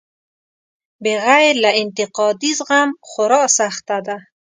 بغیر له انتقادي زغم خورا سخته ده.